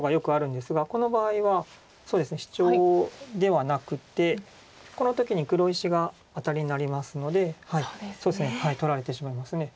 この場合はシチョウではなくてこの時に黒石がアタリになりますので取られてしまいます。